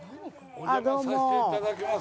お邪魔させて頂きます。